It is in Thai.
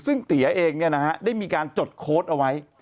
ซึ่งเตี๋ยเองได้มีการจดโค้ดเอาไว้